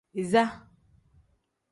Iza.